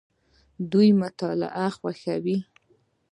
دوی مطالعه خوښوي.